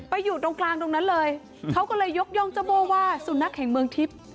อยู่ตรงกลางตรงนั้นเลยเขาก็เลยยกย่องเจ้าโบ้ว่าสุนัขแห่งเมืองทิพย์